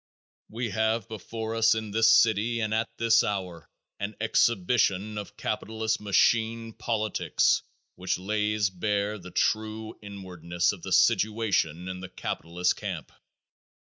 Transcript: We have before us in this city at this hour an exhibition of capitalist machine politics which lays bare the true inwardness of the situation in the capitalist camp.